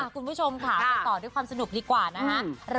คุณผู้ชมค่ะไปต่อด้วยความสนุกดีกว่านะคะ